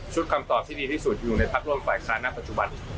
คำตอบที่ดีที่สุดอยู่ในพักร่วมฝ่ายค้านณปัจจุบัน